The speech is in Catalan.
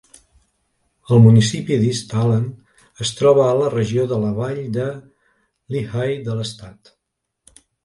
El municipi d'East Allen es troba a la regió de la Vall de Lehigh de l'estat.